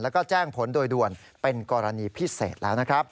แล้วก็แจ้งผลโดยด่วนเป็นกรณีพิเศษแล้วนะครับ